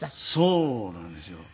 そうなんですよ。